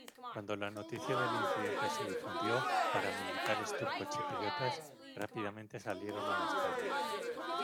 Cuando la noticia del incidente se difundió, paramilitares turcochipriotas rápidamente salieron a las calles.